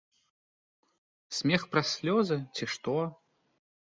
Смех праз слёзы, ці што.